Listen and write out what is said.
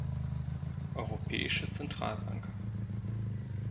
Europäische Zentralbank.